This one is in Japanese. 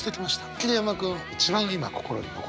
桐山君一番今心に残ってるワード。